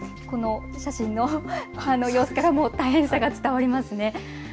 この写真の様子からも大変さが伝わりますね。